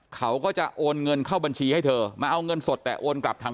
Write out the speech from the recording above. เขาก็จะโอนเงินเข้าบัญชีให้เธอมาเอาเงินสดแต่โอนกลับทาง